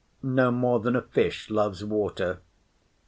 No more than a fish loves water.